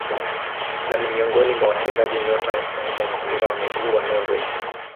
Na ni miongoni mwa wachezaji nyota wa kwanza wa mpira wa miguu wa Norway.